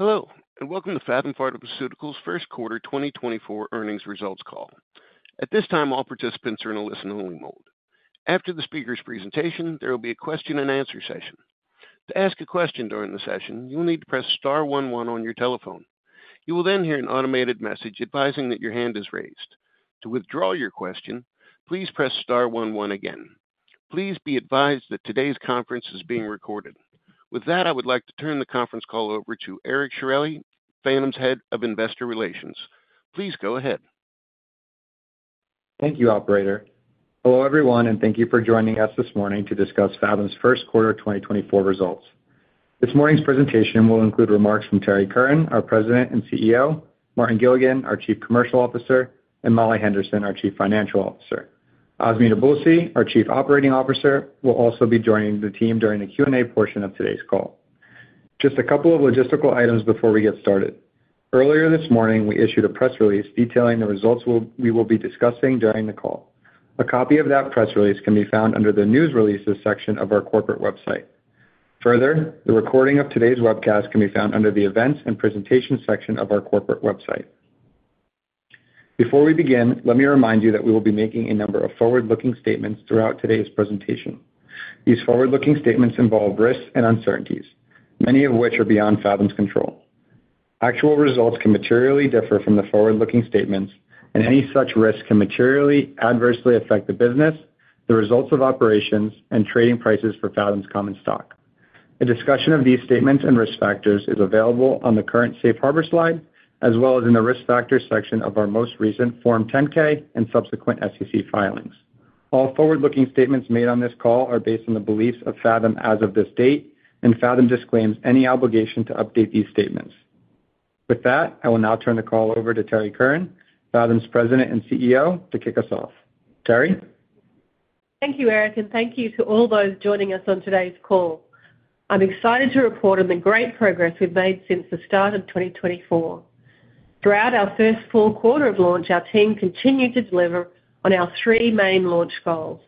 Hello, and welcome to Phathom Pharmaceuticals' First Quarter 2024 Earnings Results Call. At this time, all participants are in a listen-only mode. After the speaker's presentation, there will be a question-and-answer session. To ask a question during the session, you will need to press star one one on your telephone. You will then hear an automated message advising that your hand is raised. To withdraw your question, please press star one one again. Please be advised that today's conference is being recorded. With that, I would like to turn the conference call over to Eric Sciorilli, Phathom's Head of Investor Relations. Please go ahead. Thank you, Operator. Hello, everyone, and thank you for joining us this morning to discuss Phathom's First Quarter of 2024 results. This morning's presentation will include remarks from Terrie Curran, our President and CEO, Martin Gilligan, our Chief Commercial Officer, and Molly Henderson, our Chief Financial Officer. Azmi Nabulsi, our Chief Operating Officer, will also be joining the team during the Q&A portion of today's call. Just a couple of logistical items before we get started. Earlier this morning, we issued a press release detailing the results we will be discussing during the call. A copy of that press release can be found under the News Releases section of our corporate website. Further, the recording of today's webcast can be found under the Events and Presentation section of our corporate website. Before we begin, let me remind you that we will be making a number of forward-looking statements throughout today's presentation. These forward-looking statements involve risks and uncertainties, many of which are beyond Phathom's control. Actual results can materially differ from the forward-looking statements, and any such risk can materially adversely affect the business, the results of operations, and trading prices for Phathom's common stock. A discussion of these statements and risk factors is available on the current Safe Harbor slide, as well as in the Risk Factors section of our most recent Form 10-K and subsequent SEC filings. All forward-looking statements made on this call are based on the beliefs of Phathom as of this date, and Phathom disclaims any obligation to update these statements. With that, I will now turn the call over to Terrie Curran, Phathom's President and CEO, to kick us off. Terrie? Thank you, Eric, and thank you to all those joining us on today's call. I'm excited to report on the great progress we've made since the start of 2024. Throughout our first full quarter of launch, our team continued to deliver on our three main launch goals: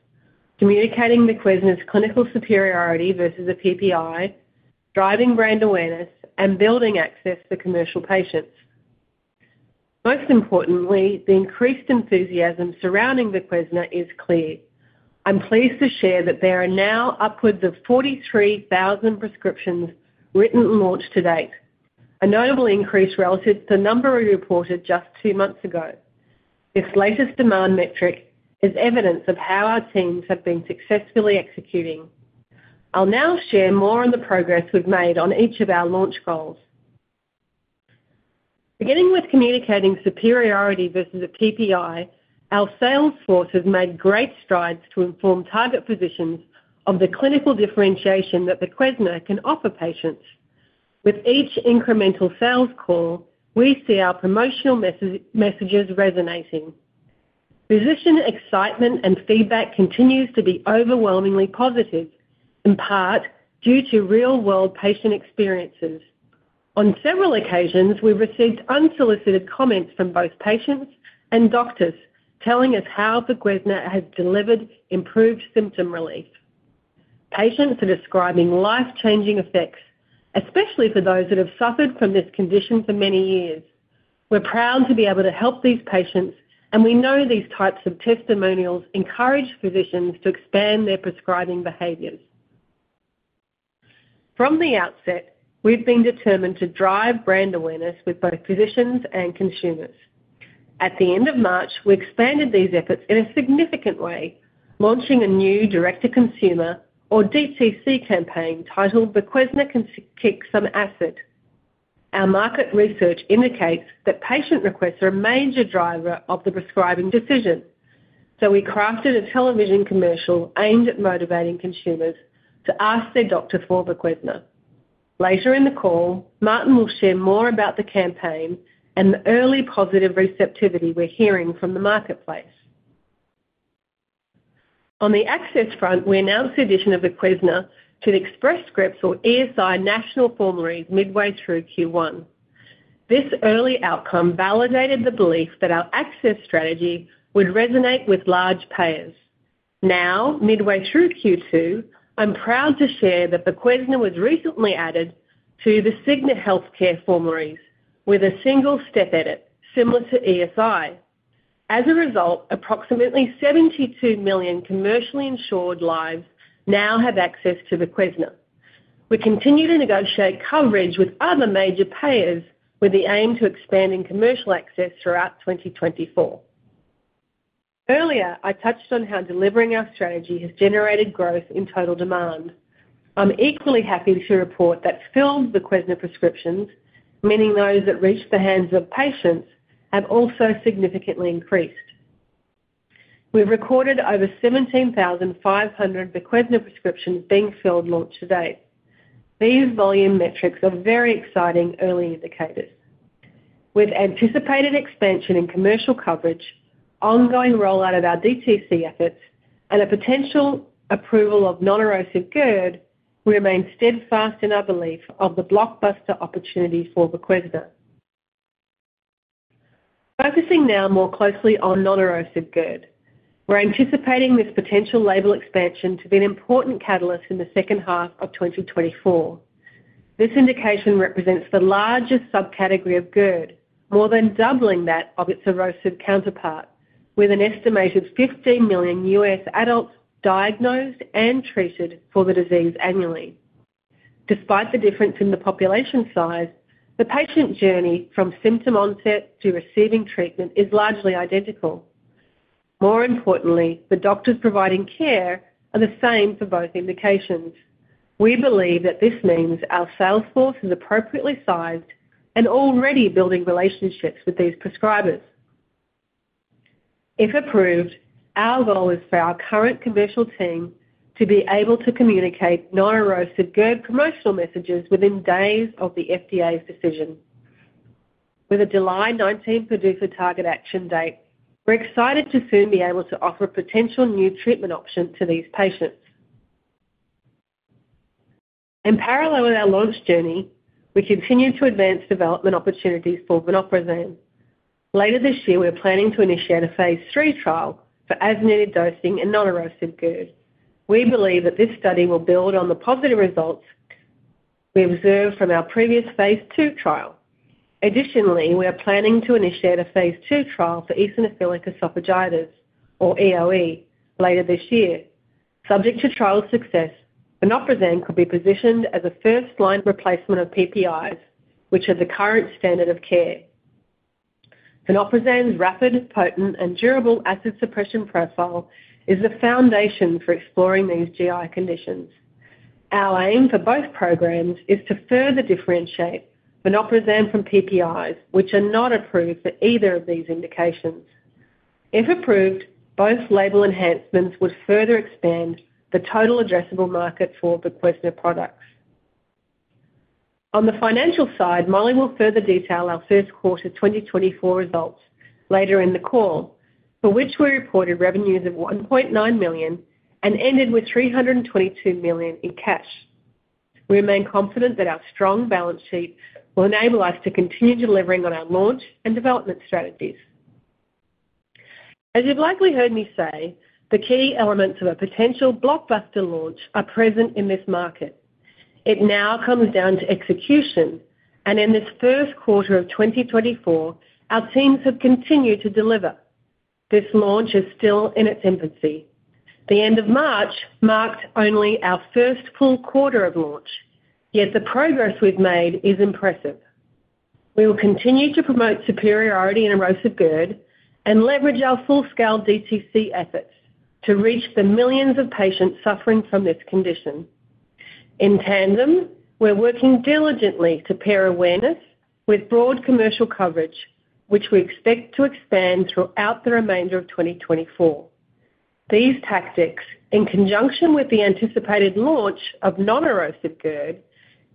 communicating Voquezna's clinical superiority versus a PPI, driving brand awareness, and building access for commercial patients. Most importantly, the increased enthusiasm surrounding Voquezna is clear. I'm pleased to share that there are now upwards of 43,000 prescriptions written and launch-to-date, a notable increase relative to the number we reported just two months ago. This latest demand metric is evidence of how our teams have been successfully executing. I'll now share more on the progress we've made on each of our launch goals. Beginning with communicating superiority versus a PPI, our sales force has made great strides to inform target physicians of the clinical differentiation that Voquezna can offer patients. With each incremental sales call, we see our promotional messages resonating. Physician excitement and feedback continues to be overwhelmingly positive, in part due to real-world patient experiences. On several occasions, we've received unsolicited comments from both patients and doctors telling us how Voquezna has delivered improved symptom relief. Patients are describing life-changing effects, especially for those that have suffered from this condition for many years. We're proud to be able to help these patients, and we know these types of testimonials encourage physicians to expand their prescribing behaviors. From the outset, we've been determined to drive brand awareness with both physicians and consumers. At the end of March, we expanded these efforts in a significant way, launching a new direct-to-consumer, or DTC, campaign titled Voquezna Can Kick Some Acid. Our market research indicates that patient requests are a major driver of the prescribing decision, so we crafted a television commercial aimed at motivating consumers to ask their doctor for Voquezna. Later in the call, Martin will share more about the campaign and the early positive receptivity we're hearing from the marketplace. On the access front, we announced the addition of Voquezna to the Express Scripts, or ESI, National Formulary midway through Q1. This early outcome validated the belief that our access strategy would resonate with large payers. Now, midway through Q2, I'm proud to share that Voquezna was recently added to the Cigna Healthcare Formulary with a single-step edit, similar to ESI. As a result, approximately 72 million commercially insured lives now have access to Voquezna. We continue to negotiate coverage with other major payers, with the aim to expanding commercial access throughout 2024. Earlier, I touched on how delivering our strategy has generated growth in total demand. I'm equally happy to report that filled Voquezna prescriptions, meaning those that reached the hands of patients, have also significantly increased. We've recorded over 17,500 Voquezna prescriptions being filled launch to date. These volume metrics are very exciting early indicators. With anticipated expansion in commercial coverage, ongoing rollout of our DTC efforts, and a potential approval of non-erosive GERD, we remain steadfast in our belief of the blockbuster opportunity for Voquezna. Focusing now more closely on non-erosive GERD. We're anticipating this potential label expansion to be an important catalyst in the second half of 2024. This indication represents the largest subcategory of GERD, more than doubling that of its erosive counterpart, with an estimated 15 million U.S. adults diagnosed and treated for the disease annually. Despite the difference in the population size, the patient journey from symptom onset to receiving treatment is largely identical. More importantly, the doctors providing care are the same for both indications. We believe that this means our sales force is appropriately sized and already building relationships with these prescribers. If approved, our goal is for our current commercial team to be able to communicate non-erosive GERD promotional messages within days of the FDA's decision. With a July 19 PDUFA target action date, we're excited to soon be able to offer a potential new treatment option to these patients. In parallel with our launch journey, we continue to advance development opportunities for vonoprazan. Later this year, we are planning to initiate a phase III trial for as-needed dosing and non-erosive GERD. We believe that this study will build on the positive results we observed from our previous phase II trial. Additionally, we are planning to initiate a phase II trial for eosinophilic esophagitis, or EoE, later this year. Subject to trial success, vonoprazan could be positioned as a first-line replacement of PPIs, which are the current standard of care. Vonoprazan's rapid, potent and durable acid suppression profile is the foundation for exploring these GI conditions. Our aim for both programs is to further differentiate vonoprazan from PPIs, which are not approved for either of these indications. If approved, both label enhancements would further expand the total addressable market for Voquezna products. On the financial side, Molly will further detail our first quarter 2024 results later in the call, for which we reported revenues of $1.9 million and ended with $322 million in cash. We remain confident that our strong balance sheet will enable us to continue delivering on our launch and development strategies. As you've likely heard me say, the key elements of a potential blockbuster launch are present in this market. It now comes down to execution, and in this first quarter of 2024, our teams have continued to deliver. This launch is still in its infancy. The end of March marked only our first full quarter of launch, yet the progress we've made is impressive. We will continue to promote superiority in erosive GERD and leverage our full-scale DTC efforts to reach the millions of patients suffering from this condition. In tandem, we're working diligently to pair awareness with broad commercial coverage, which we expect to expand throughout the remainder of 2024. These tactics, in conjunction with the anticipated launch of non-erosive GERD,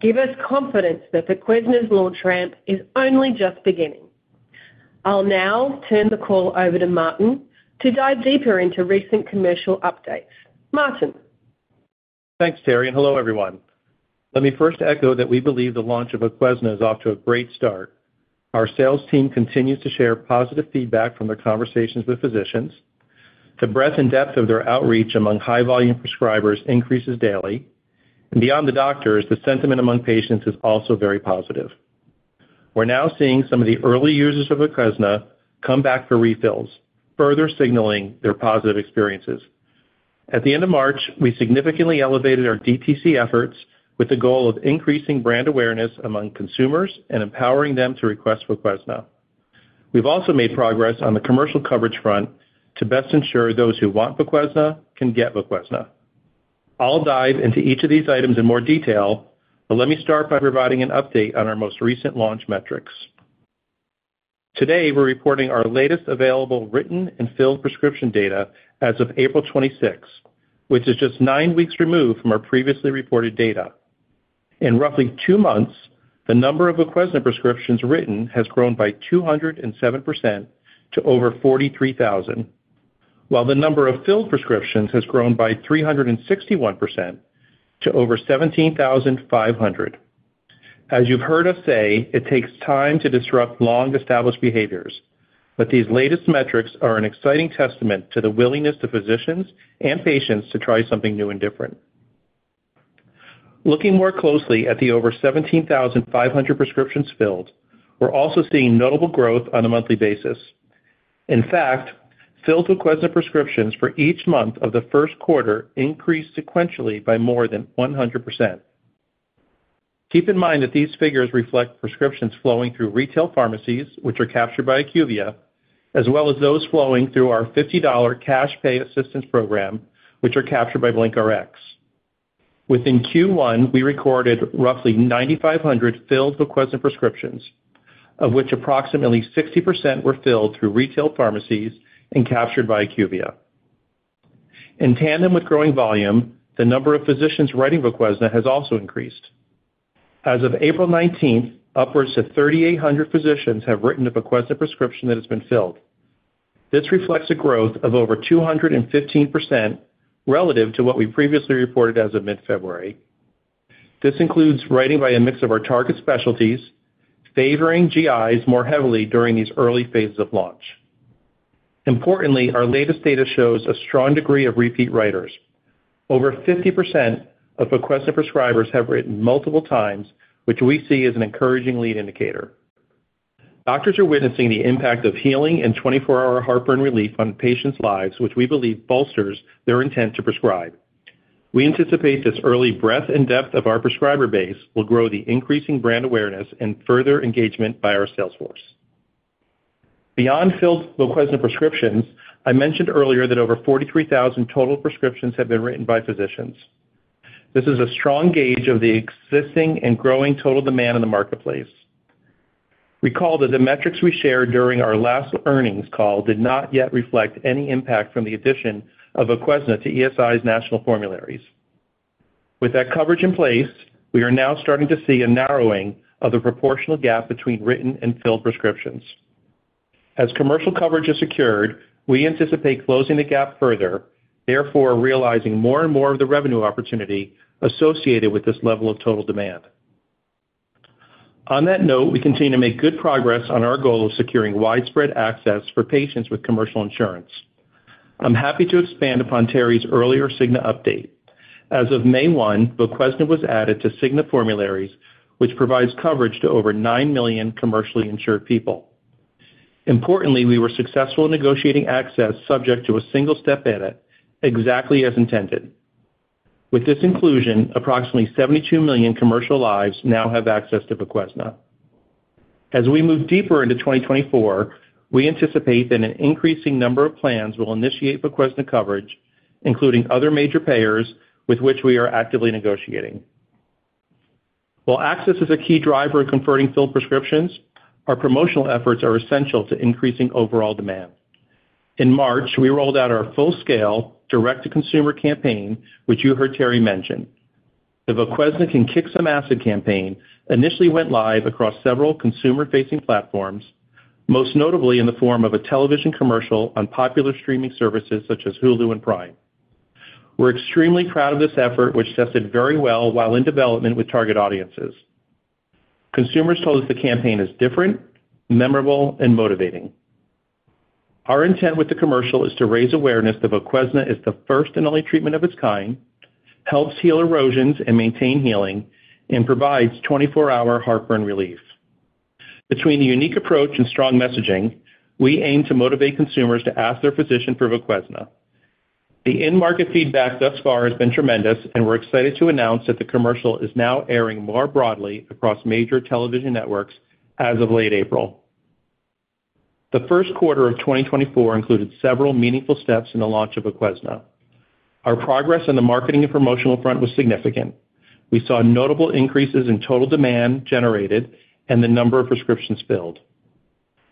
give us confidence that Voquezna's launch ramp is only just beginning. I'll now turn the call over to Martin to dive deeper into recent commercial updates. Martin? Thanks, Terrie, and hello, everyone. Let me first echo that we believe the launch of Voquezna is off to a great start. Our sales team continues to share positive feedback from their conversations with physicians. The breadth and depth of their outreach among high-volume prescribers increases daily, and beyond the doctors, the sentiment among patients is also very positive. We're now seeing some of the early users of Voquezna come back for refills, further signaling their positive experiences. At the end of March, we significantly elevated our DTC efforts with the goal of increasing brand awareness among consumers and empowering them to request Voquezna. We've also made progress on the commercial coverage front to best ensure those who want Voquezna can get Voquezna. I'll dive into each of these items in more detail, but let me start by providing an update on our most recent launch metrics. Today, we're reporting our latest available written and filled prescription data as of April 26, which is just 9 weeks removed from our previously reported data. In roughly 2 months, the number of Voquezna prescriptions written has grown by 207% to over 43,000, while the number of filled prescriptions has grown by 361% to over 17,500. As you've heard us say, it takes time to disrupt long-established behaviors, but these latest metrics are an exciting testament to the willingness of physicians and patients to try something new and different. Looking more closely at the over 17,500 prescriptions filled, we're also seeing notable growth on a monthly basis. In fact, filled Voquezna prescriptions for each month of the first quarter increased sequentially by more than 100%. Keep in mind that these figures reflect prescriptions flowing through retail pharmacies, which are captured by IQVIA, as well as those flowing through our $50 cash pay assistance program, which are captured by BlinkRx. Within Q1, we recorded roughly 9,500 filled Voquezna prescriptions, of which approximately 60% were filled through retail pharmacies and captured by IQVIA. In tandem with growing volume, the number of physicians writing Voquezna has also increased. As of April 19th, upwards of 3,800 physicians have written a Voquezna prescription that has been filled. This reflects a growth of over 215% relative to what we previously reported as of mid-February. This includes writing by a mix of our target specialties, favoring GIs more heavily during these early phases of launch. Importantly, our latest data shows a strong degree of repeat writers. Over 50% of Voquezna prescribers have written multiple times, which we see as an encouraging lead indicator. Doctors are witnessing the impact of healing and 24-hour heartburn relief on patients' lives, which we believe bolsters their intent to prescribe. We anticipate this early breadth and depth of our prescriber base will grow the increasing brand awareness and further engagement by our sales force. Beyond filled Voquezna prescriptions, I mentioned earlier that over 43,000 total prescriptions have been written by physicians. This is a strong gauge of the existing and growing total demand in the marketplace. Recall that the metrics we shared during our last earnings call did not yet reflect any impact from the addition of Voquezna to ESI's national formularies. With that coverage in place, we are now starting to see a narrowing of the proportional gap between written and filled prescriptions. As commercial coverage is secured, we anticipate closing the gap further, therefore, realizing more and more of the revenue opportunity associated with this level of total demand. On that note, we continue to make good progress on our goal of securing widespread access for patients with commercial insurance. I'm happy to expand upon Terrie's earlier Cigna update. As of May 1, Voquezna was added to Cigna formularies, which provides coverage to over 9 million commercially insured people. Importantly, we were successful in negotiating access subject to a single-step edit, exactly as intended. With this inclusion, approximately 72 million commercial lives now have access to Voquezna. As we move deeper into 2024, we anticipate that an increasing number of plans will initiate Voquezna coverage, including other major payers with which we are actively negotiating. While access is a key driver in converting filled prescriptions, our promotional efforts are essential to increasing overall demand. In March, we rolled out our full-scale direct-to-consumer campaign, which you heard Terry mention. The Voquezna Can Kick Some Acid campaign initially went live across several consumer-facing platforms, most notably in the form of a television commercial on popular streaming services such as Hulu and Prime. We're extremely proud of this effort, which tested very well while in development with target audiences. Consumers told us the campaign is different, memorable, and motivating. Our intent with the commercial is to raise awareness that Voquezna is the first and only treatment of its kind, helps heal erosions and maintain healing, and provides 24-hour heartburn relief. Between the unique approach and strong messaging, we aim to motivate consumers to ask their physician for Voquezna. The end-market feedback thus far has been tremendous, and we're excited to announce that the commercial is now airing more broadly across major television networks as of late April. The first quarter of 2024 included several meaningful steps in the launch of Voquezna. Our progress on the marketing and promotional front was significant. We saw notable increases in total demand generated and the number of prescriptions filled.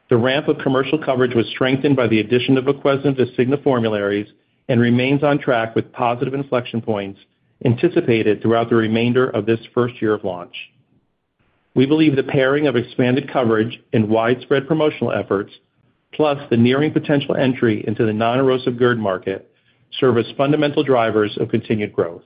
The ramp of commercial coverage was strengthened by the addition of Voquezna to Cigna formularies and remains on track with positive inflection points anticipated throughout the remainder of this first year of launch. We believe the pairing of expanded coverage and widespread promotional efforts, plus the nearing potential entry into the non-erosive GERD market, serve as fundamental drivers of continued growth.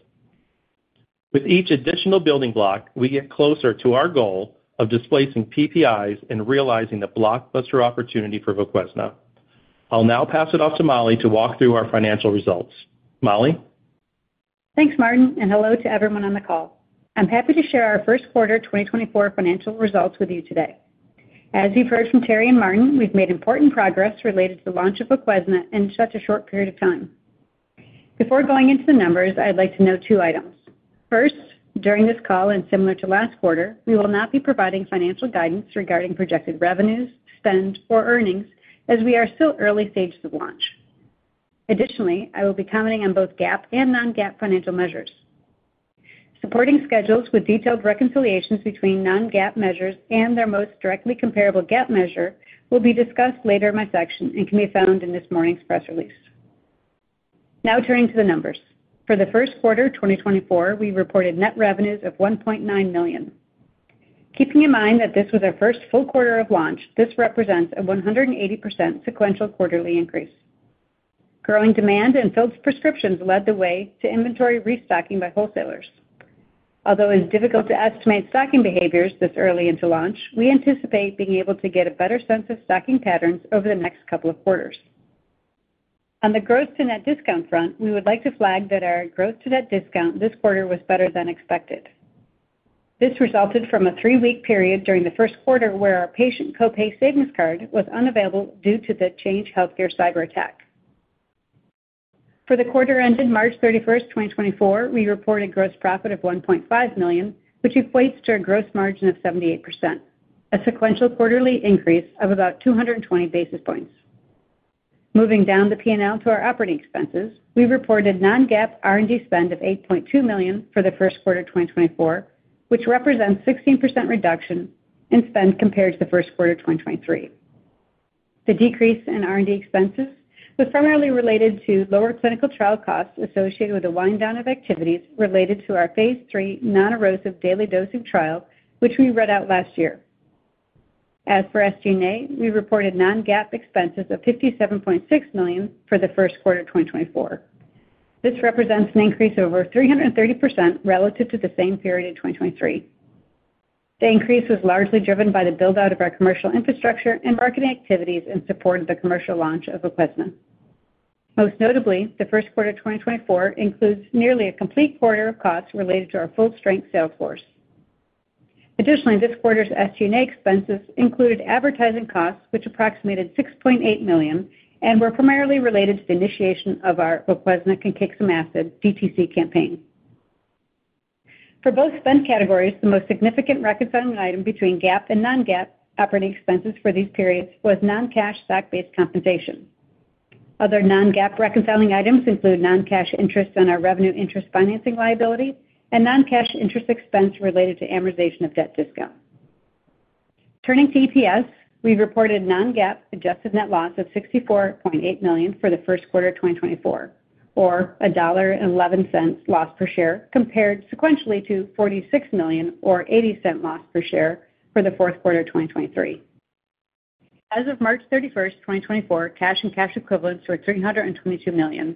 With each additional building block, we get closer to our goal of displacing PPIs and realizing the blockbuster opportunity for Voquezna. I'll now pass it off to Molly to walk through our financial results. Molly? Thanks, Martin, and hello to everyone on the call. I'm happy to share our first quarter 2024 financial results with you today. As you've heard from Terrie and Martin, we've made important progress related to the launch of Voquezna in such a short period of time. Before going into the numbers, I'd like to note two items. First, during this call, and similar to last quarter, we will not be providing financial guidance regarding projected revenues, spend, or earnings, as we are still early stages of launch. Additionally, I will be commenting on both GAAP and non-GAAP financial measures. Supporting schedules with detailed reconciliations between non-GAAP measures and their most directly comparable GAAP measure will be discussed later in my section and can be found in this morning's press release. Now turning to the numbers. For the first quarter 2024, we reported net revenues of $1.9 million. Keeping in mind that this was our first full quarter of launch, this represents a 180% sequential quarterly increase. Growing demand and filled prescriptions led the way to inventory restocking by wholesalers. Although it's difficult to estimate stocking behaviors this early into launch, we anticipate being able to get a better sense of stocking patterns over the next couple of quarters. On the gross-to-net discount front, we would like to flag that our gross-to-net discount this quarter was better than expected. This resulted from a 3-week period during the first quarter, where our patient co-pay savings card was unavailable due to the Change Healthcare cyberattack. For the quarter ended March 31, 2024, we reported gross profit of $1.5 million, which equates to a gross margin of 78%, a sequential quarterly increase of about 220 basis points. Moving down the P&L to our operating expenses, we reported non-GAAP R&D spend of $8.2 million for the first quarter 2024, which represents 16% reduction in spend compared to the first quarter 2023. The decrease in R&D expenses was primarily related to lower clinical trial costs associated with the wind down of activities related to our phase III non-erosive daily dosing trial, which we read out last year. As for SG&A, we reported non-GAAP expenses of $57.6 million for the first quarter of 2024. This represents an increase of over 330% relative to the same period in 2023. The increase was largely driven by the build-out of our commercial infrastructure and marketing activities in support of the commercial launch of Voquezna. Most notably, the first quarter of 2024 includes nearly a complete quarter of costs related to our full-strength sales force. Additionally, this quarter's SG&A expenses included advertising costs, which approximated $6.8 million and were primarily related to the initiation of our Voquezna Can Kick Some Acid DTC campaign. For both spend categories, the most significant reconciling item between GAAP and non-GAAP operating expenses for these periods was non-cash stock-based compensation. Other non-GAAP reconciling items include non-cash interest on our revenue interest financing liability and non-cash interest expense related to amortization of debt discount. Turning to EPS, we reported non-GAAP adjusted net loss of $64.8 million for the first quarter of 2024, or $1.11 loss per share, compared sequentially to $46 million or $0.80 loss per share for the fourth quarter of 2023. As of March 31, 2024, cash and cash equivalents were $322 million,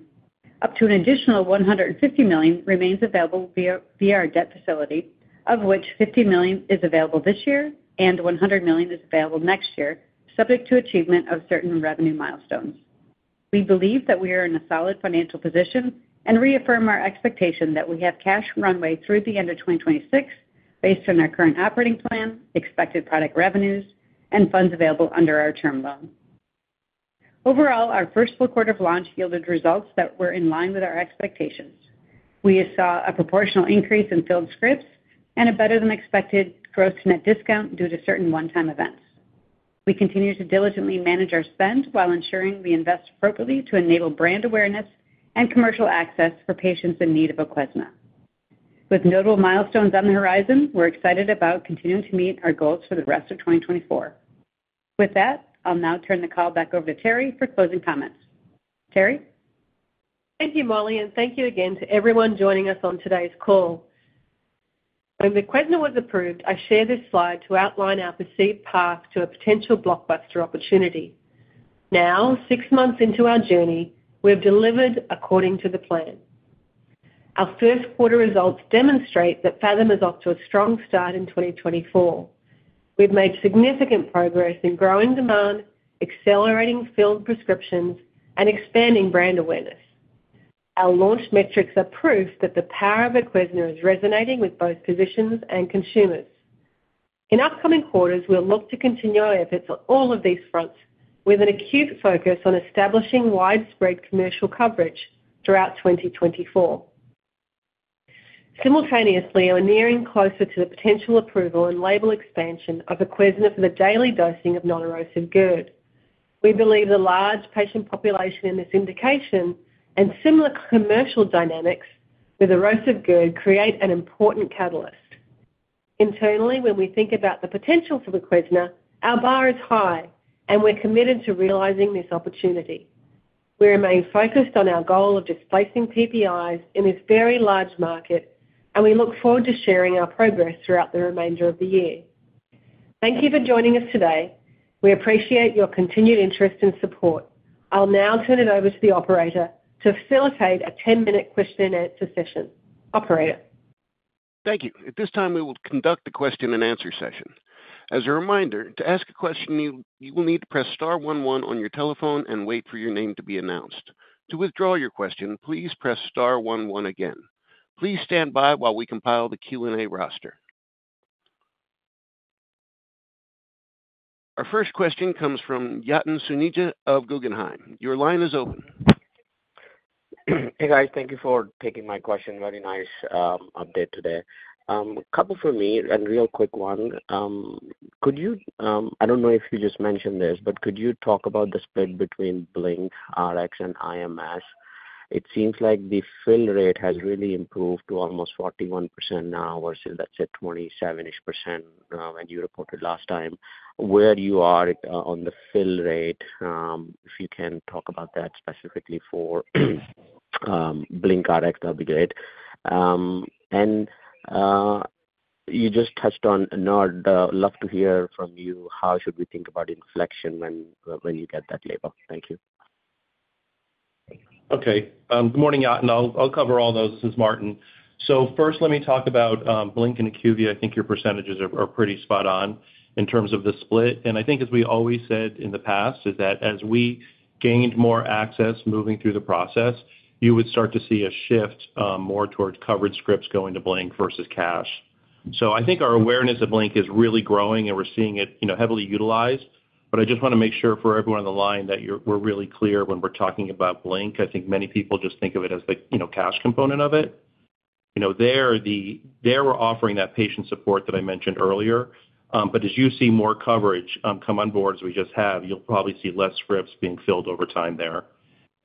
up to an additional $150 million remains available via our debt facility, of which $50 million is available this year and $100 million is available next year, subject to achievement of certain revenue milestones. We believe that we are in a solid financial position and reaffirm our expectation that we have cash runway through the end of 2026, based on our current operating plan, expected product revenues, and funds available under our term loan. Overall, our first full quarter of launch yielded results that were in line with our expectations. We saw a proportional increase in filled scripts and a better-than-expected gross to net discount due to certain one-time events. We continue to diligently manage our spend while ensuring we invest appropriately to enable brand awareness and commercial access for patients in need of Voquezna. With notable milestones on the horizon, we're excited about continuing to meet our goals for the rest of 2024. With that, I'll now turn the call back over to Terrie for closing comments. Terrie? Thank you, Molly, and thank you again to everyone joining us on today's call. When Voquezna was approved, I shared this slide to outline our perceived path to a potential blockbuster opportunity. Now, six months into our journey, we have delivered according to the plan. Our first quarter results demonstrate that Phathom is off to a strong start in 2024. We've made significant progress in growing demand, accelerating filled prescriptions, and expanding brand awareness. Our launch metrics are proof that the power of Voquezna is resonating with both physicians and consumers. In upcoming quarters, we'll look to continue our efforts on all of these fronts, with an acute focus on establishing widespread commercial coverage throughout 2024. Simultaneously, we're nearing closer to the potential approval and label expansion of Voquezna for the daily dosing of non-erosive GERD. We believe the large patient population in this indication and similar commercial dynamics with erosive GERD create an important catalyst. Internally, when we think about the potential for Voquezna, our bar is high, and we're committed to realizing this opportunity. We remain focused on our goal of displacing PPIs in this very large market, and we look forward to sharing our progress throughout the remainder of the year. Thank you for joining us today. We appreciate your continued interest and support. I'll now turn it over to the operator to facilitate a 10-minute question-and-answer session. Operator? Thank you. At this time, we will conduct the question-and-answer session. As a reminder, to ask a question, you will need to press star one one on your telephone and wait for your name to be announced. To withdraw your question, please press star one one again. Please stand by while we compile the Q&A roster. Our first question comes from Yatin Suneja of Guggenheim. Your line is open. Hey, guys, thank you for taking my question. Very nice update today. A couple for me, and real quick one. Could you... I don't know if you just mentioned this, but could you talk about the split between BlinkRx and IMS? It seems like the fill rate has really improved to almost 41% now versus, let's say, 27-ish%, when you reported last time. Where you are on the fill rate, if you can talk about that specifically for BlinkRx, that'd be great. And, you just touched on NERD. Love to hear from you, how should we think about inflection when you get that label? Thank you. Okay. Good morning, Yatin. I'll cover all those. This is Martin. So first, let me talk about Blink and IQVIA. I think your percentages are pretty spot on in terms of the split. And I think as we always said in the past, is that as we gained more access moving through the process, you would start to see a shift more towards covered scripts going to Blink versus cash. So I think our awareness of Blink is really growing, and we're seeing it, you know, heavily utilized. But I just wanna make sure for everyone on the line that you're-- we're really clear when we're talking about Blink. I think many people just think of it as the, you know, cash component of it. You know, there, the-- there, we're offering that patient support that I mentioned earlier. But as you see more coverage come on board, as we just have, you'll probably see less scripts being filled over time there.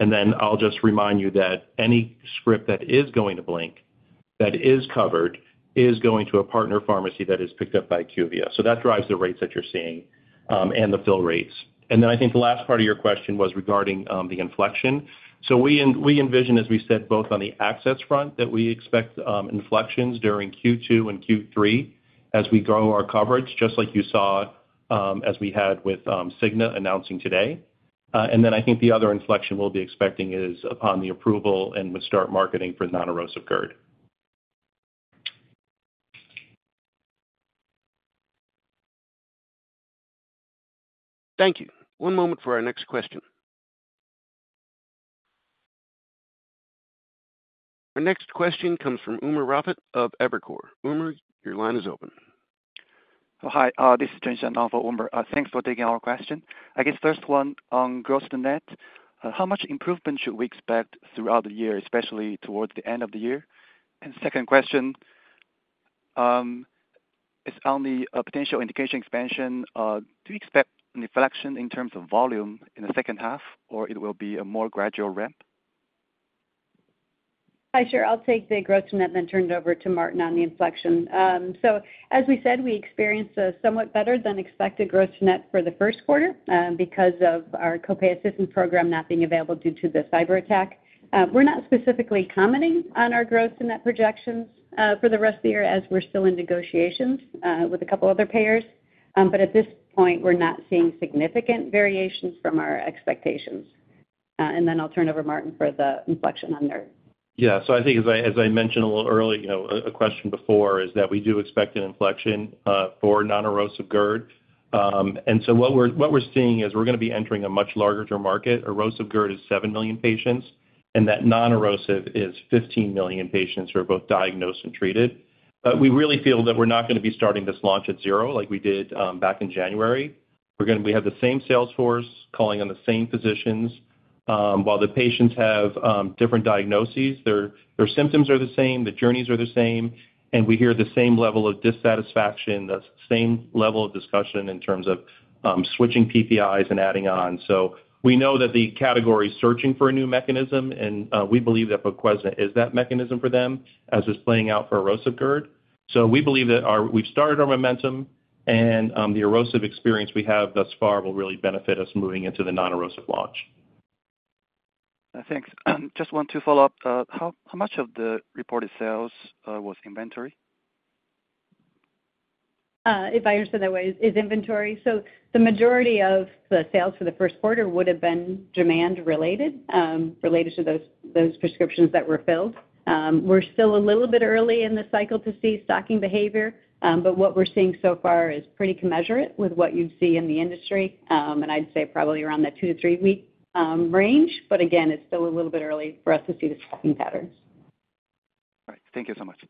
And then I'll just remind you that any script that is going to Blink, that is covered, is going to a partner pharmacy that is picked up by IQVIA. So that drives the rates that you're seeing, and the fill rates. And then I think the last part of your question was regarding the inflection. So we envision, as we said, both on the access front, that we expect inflections during Q2 and Q3 as we grow our coverage, just like you saw, as we had with Cigna announcing today. And then I think the other inflection we'll be expecting is upon the approval and with start marketing for non-erosive GERD. Thank you. One moment for our next question. Our next question comes from Umer Raffat of Evercore. Umer, your line is open. Oh, hi, this is Yun Zhong for Umer Raffat. Thanks for taking our question. I guess first one, on gross to net, how much improvement should we expect throughout the year, especially towards the end of the year? And second question, is on the, potential indication expansion. Do you expect an inflection in terms of volume in the second half, or it will be a more gradual ramp? Hi, sure. I'll take the gross to net, then turn it over to Martin on the inflection. So as we said, we experienced a somewhat better than expected gross to net for the first quarter, because of our co-pay assistance program not being available due to the cyberattack. We're not specifically commenting on our gross to net projections, for the rest of the year, as we're still in negotiations, with a couple other payers. But at this point, we're not seeing significant variations from our expectations. And then I'll turn over Martin for the inflection on there. Yeah. So I think as I mentioned a little earlier, you know, a question before, is that we do expect an inflection for non-erosive GERD. And so what we're seeing is we're gonna be entering a much larger market. Erosive GERD is 7 million patients, and that non-erosive is 15 million patients who are both diagnosed and treated. But we really feel that we're not gonna be starting this launch at zero like we did back in January. We're gonna. We have the same sales force calling on the same physicians. While the patients have different diagnoses, their symptoms are the same, the journeys are the same, and we hear the same level of dissatisfaction, the same level of discussion in terms of switching PPIs and adding on. So we know that the category is searching for a new mechanism, and, we believe that Voquezna is that mechanism for them, as is playing out for erosive GERD. So we believe that our we've started our momentum and, the erosive experience we have thus far will really benefit us moving into the non-erosive launch. Thanks. Just want to follow up, how much of the reported sales was inventory? If I understand that way, is inventory. So the majority of the sales for the first quarter would have been demand related, related to those, those prescriptions that were filled. We're still a little bit early in the cycle to see stocking behavior, but what we're seeing so far is pretty commensurate with what you'd see in the industry, and I'd say probably around the 2- to 3-week range. But again, it's still a little bit early for us to see the stocking patterns. All right. Thank you so much.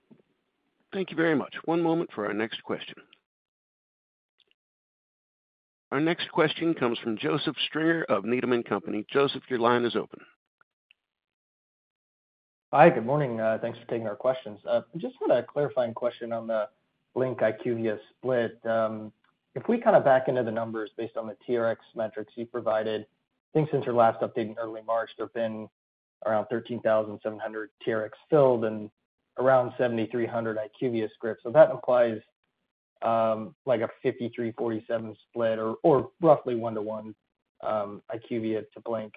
Thank you very much. One moment for our next question. Our next question comes from Joseph Stringer of Needham & Company. Joseph, your line is open. Hi, good morning. Thanks for taking our questions. Just want a clarifying question on the Blink IQVIA split. If we kind of back into the numbers based on the TRx metrics you provided, I think since your last update in early March, there have been around 13,700 TRx filled and around 7,300 IQVIA scripts. So that implies like a 53-47 split or roughly 1:1 IQVIA to Blink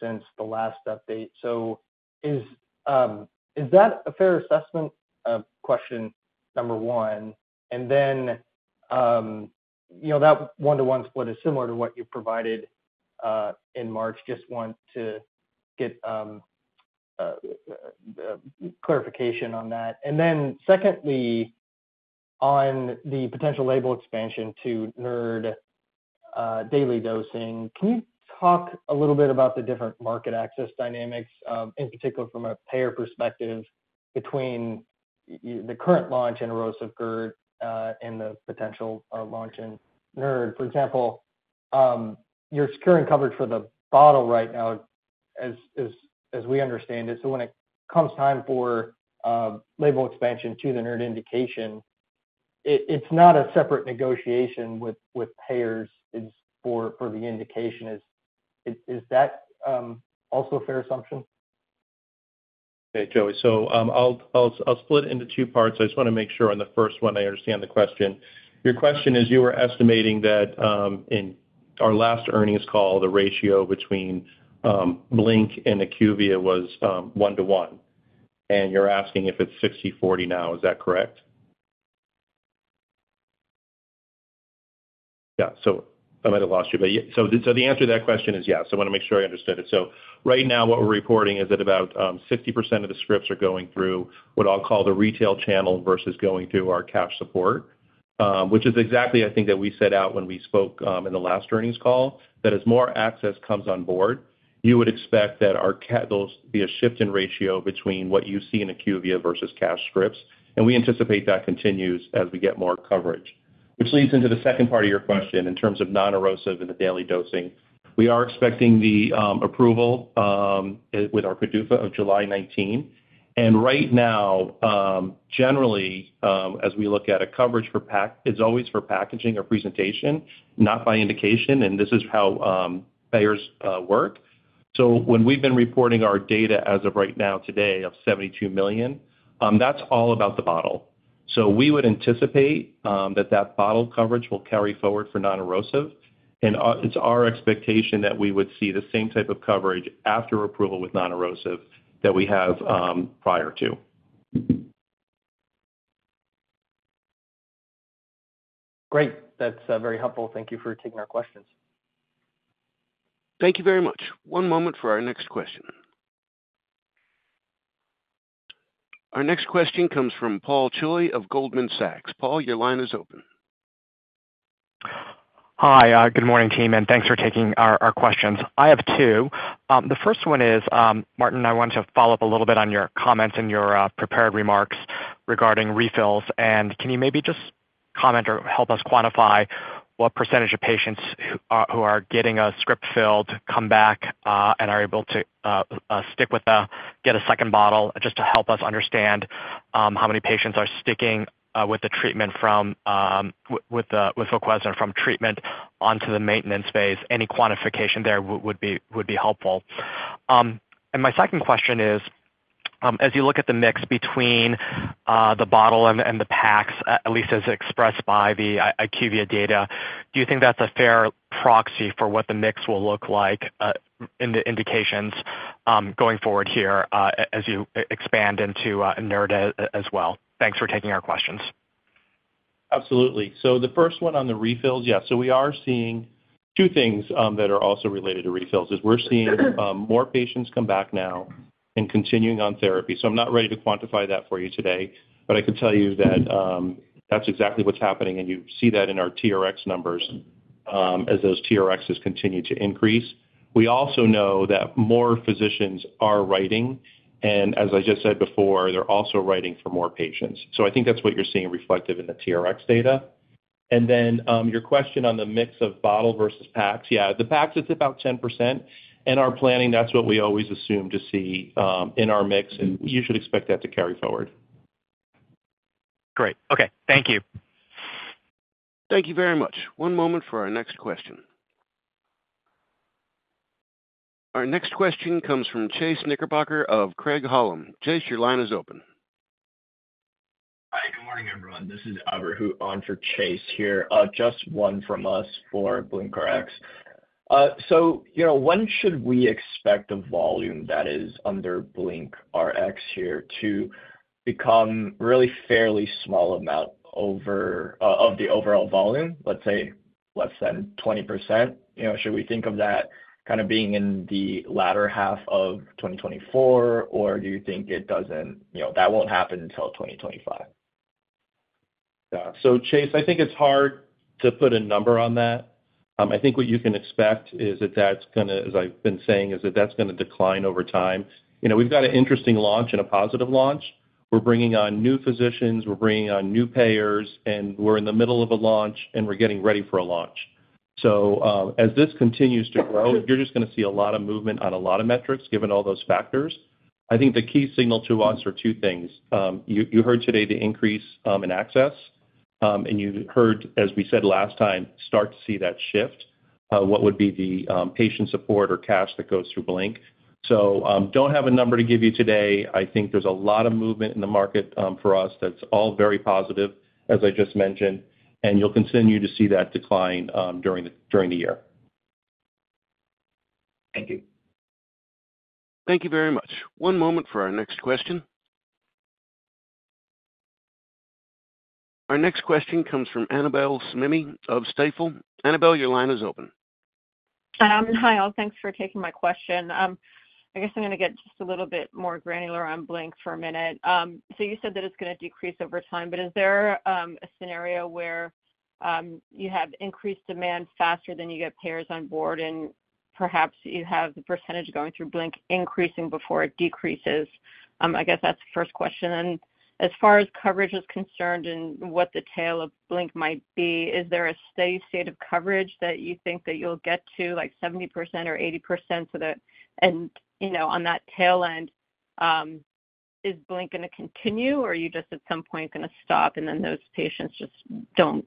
since the last update. So is that a fair assessment? Question number 1, and then, you know, that 1:1 split is similar to what you provided in March. Just want to get clarification on that. And then secondly, on the potential label expansion to NERD, daily dosing, can you talk a little bit about the different market access dynamics, in particular from a payer perspective, between the current launch in erosive GERD, and the potential launch in NERD? For example, you're securing coverage for the bottle right now, as we understand it. So when it comes time for label expansion to the NERD indication, it's not a separate negotiation with payers, it's for the indication. Is that also a fair assumption? Okay, Joey. So, I'll split it into two parts. I just wanna make sure on the first one I understand the question. Your question is, you were estimating that, in our last earnings call, the ratio between Blink and IQVIA was 1:1. And you're asking if it's 60/40 now, is that correct? Yeah. So I might have lost you, but yeah. So, the answer to that question is yes. I wanna make sure I understood it. So right now, what we're reporting is that about 50% of the scripts are going through what I'll call the retail channel versus going through our cash support, which is exactly, I think, that we set out when we spoke in the last earnings call, that as more access comes on board, you would expect that there'll be a shift in ratio between what you see in IQVIA versus cash scripts. And we anticipate that continues as we get more coverage. Which leads into the second part of your question in terms of non-erosive and the daily dosing. We are expecting the approval with our PDUFA of July 19, and right now, generally, as we look at a coverage for pack, it's always for packaging or presentation, not by indication, and this is how payers work. So when we've been reporting our data as of right now today of 72 million, that's all about the bottle. So we would anticipate that bottle coverage will carry forward for non-erosive, and it's our expectation that we would see the same type of coverage after approval with non-erosive than we have prior to.... Great. That's very helpful. Thank you for taking our questions. Thank you very much. One moment for our next question. Our next question comes from Paul Choi of Goldman Sachs. Paul, your line is open. Hi, good morning, team, and thanks for taking our questions. I have two. The first one is, Martin, I want to follow up a little bit on your comments and your prepared remarks regarding refills. Can you maybe just comment or help us quantify what percentage of patients who are getting a script filled come back and are able to stick with the get a second bottle, just to help us understand how many patients are sticking with the treatment with Voquezna from treatment onto the maintenance phase? Any quantification there would be helpful. My second question is, as you look at the mix between the bottle and the packs, at least as expressed by the IQVIA data, do you think that's a fair proxy for what the mix will look like in the indications going forward here, as you expand into NERD as well? Thanks for taking our questions. Absolutely. So the first one on the refills. Yeah, so we are seeing two things that are also related to refills, is we're seeing more patients come back now and continuing on therapy. So I'm not ready to quantify that for you today, but I can tell you that that's exactly what's happening, and you see that in our TRx numbers as those TRxs continue to increase. We also know that more physicians are writing, and as I just said before, they're also writing for more patients. So I think that's what you're seeing reflective in the TRx data. And then your question on the mix of bottle versus packs. Yeah, the packs, it's about 10%. In our planning, that's what we always assume to see in our mix, and you should expect that to carry forward. Great. Okay. Thank you. Thank you very much. One moment for our next question. Our next question comes from Chase Knickerbocker of Craig-Hallum. Chase, your line is open. Hi, good morning, everyone. This is Albert Hu, on for Chase here. Just one from us for BlinkRx. So, you know, when should we expect a volume that is under BlinkRx here to become really fairly small amount over... of the overall volume, let's say, less than 20%? You know, should we think of that kind of being in the latter half of 2024, or do you think it doesn't, you know, that won't happen until 2025? Yeah. So Chase, I think it's hard to put a number on that. I think what you can expect is that that's gonna, as I've been saying, is that that's gonna decline over time. You know, we've got an interesting launch and a positive launch. We're bringing on new physicians, we're bringing on new payers, and we're in the middle of a launch, and we're getting ready for a launch. So, as this continues to grow, you're just gonna see a lot of movement on a lot of metrics, given all those factors. I think the key signal to us are two things. You heard today the increase in access, and you heard, as we said last time, start to see that shift, what would be the patient support or cash that goes through Blink. Don't have a number to give you today. I think there's a lot of movement in the market, for us that's all very positive, as I just mentioned, and you'll continue to see that decline during the year. Thank you. Thank you very much. One moment for our next question. Our next question comes from Annabel Samimy of Stifel. Annabel, your line is open. Hi, all. Thanks for taking my question. I guess I'm gonna get just a little bit more granular on Blink for a minute. So you said that it's gonna decrease over time, but is there a scenario where you have increased demand faster than you get payers on board, and perhaps you have the percentage going through Blink increasing before it decreases? I guess that's the first question. And as far as coverage is concerned and what the tail of Blink might be, is there a steady state of coverage that you think that you'll get to, like 70% or 80% so that... And, you know, on that tail end, is Blink gonna continue, or are you just at some point gonna stop and then those patients just don't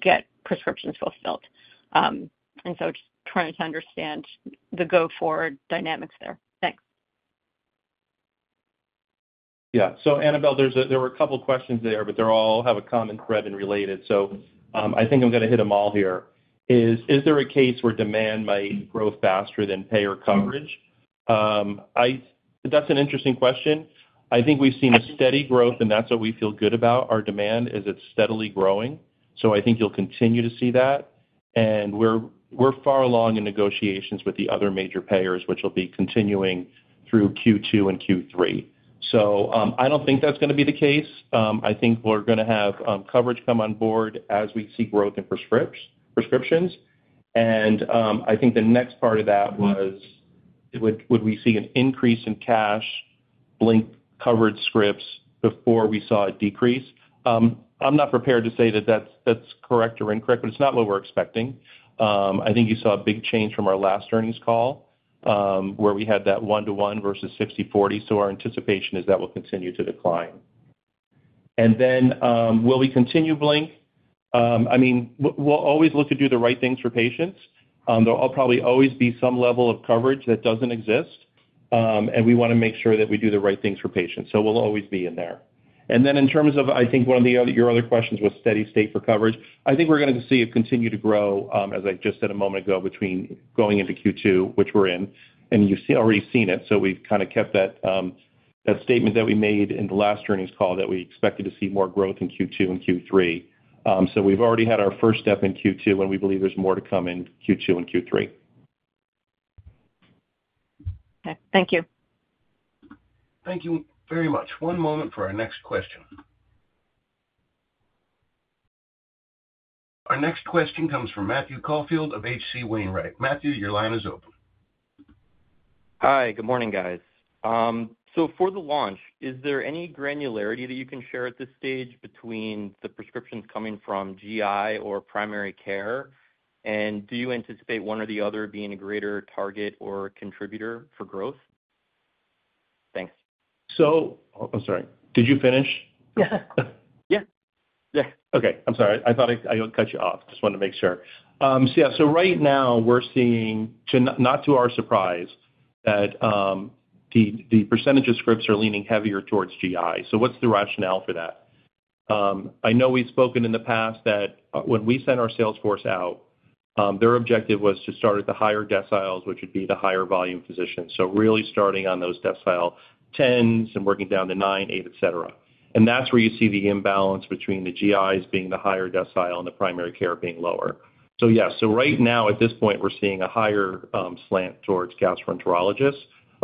get prescriptions fulfilled? Just trying to understand the go-forward dynamics there. Thanks. Yeah. So Annabel, there were a couple questions there, but they're all have a common thread and related. So, I think I'm gonna hit them all here. Is there a case where demand might grow faster than payer coverage? That's an interesting question. I think we've seen a steady growth, and that's what we feel good about. Our demand is it's steadily growing, so I think you'll continue to see that. And we're far along in negotiations with the other major payers, which will be continuing through Q2 and Q3. So, I don't think that's gonna be the case. I think we're gonna have coverage come on board as we see growth in prescriptions. And I think the next part of that was, would we see an increase in cash Blink-covered scripts before we saw a decrease? I'm not prepared to say that that's, that's correct or incorrect, but it's not what we're expecting. I think you saw a big change from our last earnings call, where we had that 1:1 versus 60/40, so our anticipation is that will continue to decline. And then, will we continue Blink? I mean, we'll always look to do the right things for patients. There will probably always be some level of coverage that doesn't exist, and we wanna make sure that we do the right things for patients, so we'll always be in there. And then in terms of, I think, one of the other, your other questions was steady state for coverage. I think we're gonna see it continue to grow, as I just said a moment ago, between going into Q2, which we're in, and you've already seen it. So we've kind of kept that statement that we made in the last earnings call, that we expected to see more growth in Q2 and Q3. So we've already had our first step in Q2, and we believe there's more to come in Q2 and Q3. Okay. Thank you. Thank you very much. One moment for our next question. Our next question comes from Matthew Caufield of H.C. Wainwright. Matthew, your line is open. Hi, good morning, guys. So for the launch, is there any granularity that you can share at this stage between the prescriptions coming from GI or primary care? And do you anticipate one or the other being a greater target or contributor for growth? Thanks. I'm sorry. Did you finish? Yeah. Yeah. Yeah. Okay. I'm sorry. I thought I cut you off. Just wanted to make sure. So yeah, so right now, we're seeing too, not to our surprise, that the percentage of scripts are leaning heavier towards GI. So what's the rationale for that? I know we've spoken in the past that when we send our sales force out, their objective was to start at the higher deciles, which would be the higher volume physicians. So really starting on those decile 10s and working down to 9, 8, et cetera. And that's where you see the imbalance between the GIs being the higher decile and the primary care being lower. So yes, so right now, at this point, we're seeing a higher slant towards gastroenterologists,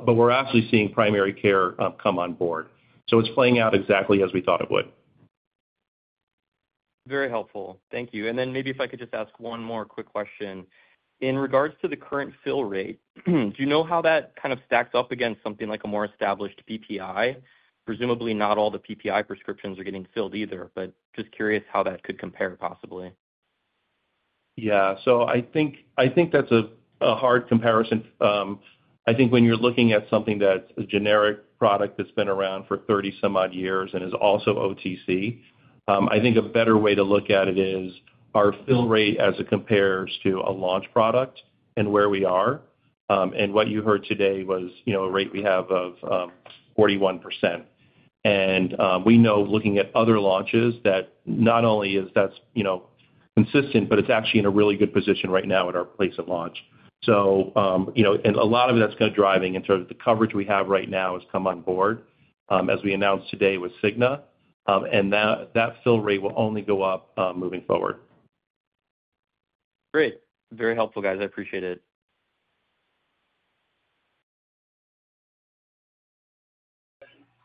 but we're actually seeing primary care come on board. It's playing out exactly as we thought it would. Very helpful. Thank you. And then maybe if I could just ask one more quick question. In regards to the current fill rate, do you know how that kind of stacks up against something like a more established PPI? Presumably, not all the PPI prescriptions are getting filled either, but just curious how that could compare possibly. Yeah. So I think that's a hard comparison. I think when you're looking at something that's a generic product that's been around for 30-some-odd years and is also OTC, I think a better way to look at it is our fill rate as it compares to a launch product and where we are. And what you heard today was, you know, a rate we have of 41%. And we know looking at other launches, that not only is that, you know, consistent, but it's actually in a really good position right now at our place of launch. So, you know, and a lot of that's kind of driving in terms of the coverage we have right now has come on board, as we announced today with Cigna, and that fill rate will only go up, moving forward. Great. Very helpful, guys. I appreciate it.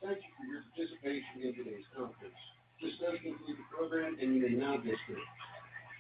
Thank you for your participation in today's conference. This does conclude the program, and you may now disconnect.